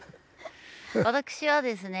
私はですね